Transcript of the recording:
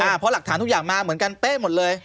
เพราะหลักฐานทุกอย่างมาเหมือนกันเป๊ะหมดเลย